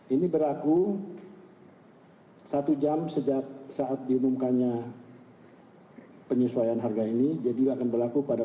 ini berlaku satu jam sejak saat diumumkannya penyesuaian harga ini jadi akan berlaku pada